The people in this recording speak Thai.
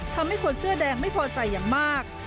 คนเสื้อแดงไม่พอใจอย่างมาก